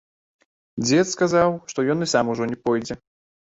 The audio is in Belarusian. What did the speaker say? Дзед сказаў, што ён і сам ужо не пойдзе.